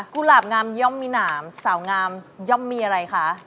หลาบงามย่อมมีหนามสาวงามย่อมมีอะไรคะ